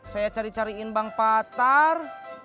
saya cari cariin bank patar